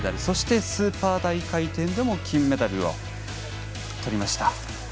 そしてスーパー大回転でも金メダルをとりました。